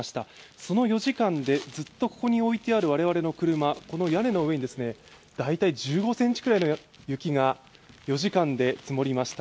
その４時間でずっとここに置いてある我々の車、この屋根の上に大体１５ｃｍくらいの雪が４時間で積もりました。